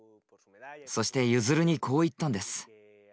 そしてユヅルにこう言ったんです。